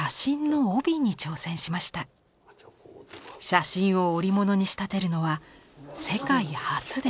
写真を織物に仕立てるのは世界初です。